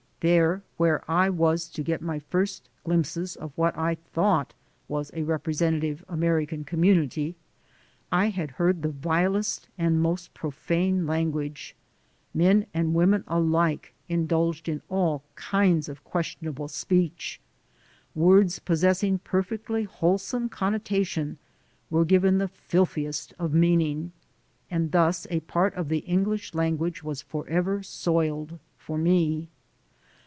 There where I was to get my first glimpses of what I thought was a representative American community, I had heard the vilest and most profane language. Men and women alike indulged in all kinds of questionable speech. Words possessing perfectly wholesome con notation were given the filthiest of meaning, and thus a part of the English language was forever soiled for me.